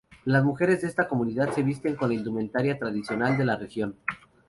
Las mujeres de esta comunidad se visten con la indumentaria tradicional de la región.